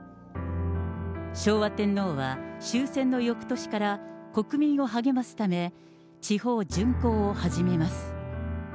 昭和天皇は終戦のよくとしから、国民を励ますため、地方巡幸を始めます。